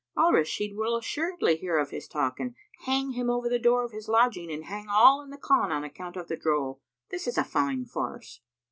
Al Rashid will assuredly hear of his talk and hang him over the door of his lodging and hang all in the Khan on account of the droll. This is a fine farce!"